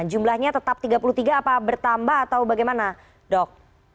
jumlahnya tetap tiga puluh tiga apa bertambah atau bagaimana dok